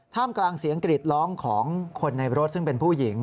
กลางเสียงกรีดร้องของคนในรถซึ่งเป็นผู้หญิง